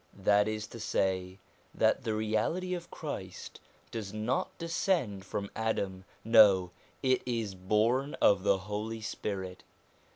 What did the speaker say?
That is to say, that the Reality of Christ does not descend from Adam ; no, it is born of the Holy Spirit.